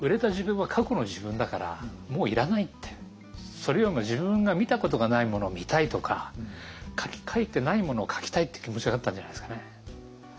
それよりも自分が見たことがないものを見たいとか描いてないものを描きたいって気持ちがあったんじゃないですかね。